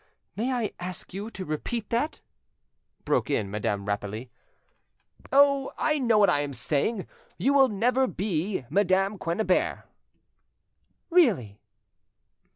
'" "May I ask you to repeat that?" broke in Madame Rapally "Oh! I know what I am saying. You will never be Madame Quennebert." "Really?"